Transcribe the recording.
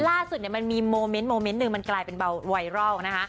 ล่าสุดมันมีโมเมนต์โมเมนต์หนึ่งมันกลายเป็นเบาไวรัลนะคะ